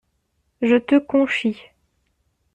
Je te conchie.